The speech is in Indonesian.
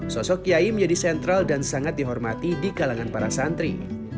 sosok kiai menjadi sentral dan sangat dihormati di kalangan para santri